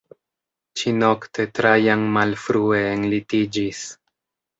Ĉi-nokte Trajan malfrue enlitiĝis.